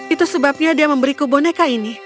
itu sebabnya dia memberiku boneka ini